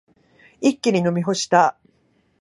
一気に飲み干した。